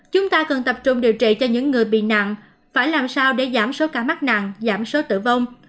chúng ta cần tập trung điều trị cho những người bị nạn phải làm sao để giảm số ca mắc nạn giảm số tử vong